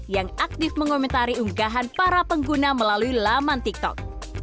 yang aktif mengomentari unggahan para pengguna melalui laman tiktok